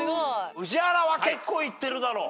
宇治原は結構行ってるだろ。